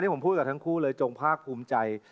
ผมพูดกับทั้งคู่เลยจงภาคภูมิใจ